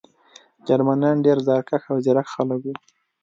جرمنان ډېر زیارکښ او ځیرک خلک وو